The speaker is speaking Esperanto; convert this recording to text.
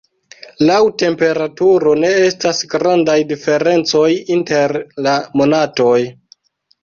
Laŭ temperaturo ne estas grandaj diferencoj inter la monatoj.